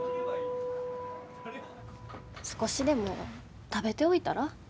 少しでも食べておいたら？